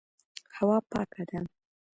هوا پاکه ده.